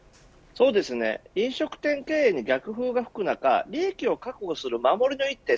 飲食店経営に逆風が吹く中利益を確保する守りの一手